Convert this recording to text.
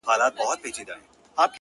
• موږ له سدیو ګمراهان یو اشنا نه سمیږو ,